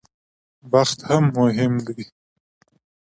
بخت هم مهم دی.